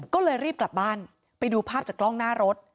ก็เลยรีบกลับบ้านไปดูภาพจากกล้องหน้ารถ